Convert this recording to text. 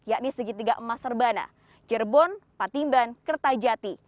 yakni segitiga emas serbana cirebon patimban kertajati